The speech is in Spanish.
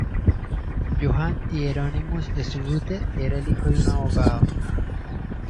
Johann Hieronymus Schröter era el hijo de un abogado.